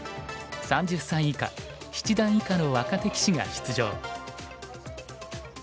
３０歳以下七段以下の若手棋士が出場。